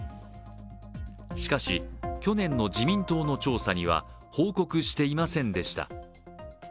しかし、去年の自民党の調査には報告していませんでした。